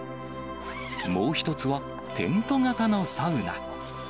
もう一つはテント型のサウナ。